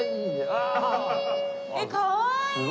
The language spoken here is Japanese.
あっかわいいね。